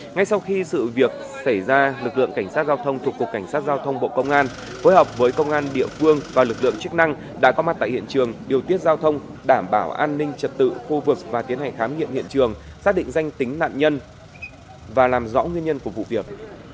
ngay sau khi sự việc xảy ra lực lượng cảnh sát giao thông thuộc cục cảnh sát giao thông bộ công an phối hợp với công an địa phương và lực lượng chức năng đã có mặt tại hiện trường điều tiết giao thông đảm bảo an ninh trật tự khu vực và tiến hành khám nghiệm hiện trường xác định danh tính nạn nhân và làm rõ nguyên nhân của vụ việc